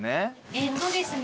えっとですね